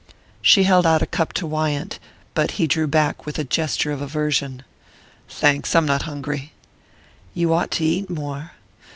She held out a cup to Wyant, but he drew back with a gesture of aversion. "Thanks; I'm not hungry." "You ought to eat more."